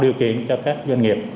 điều kiện cho các doanh nghiệp